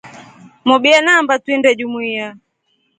Mobya naamba tuinde jumuiya.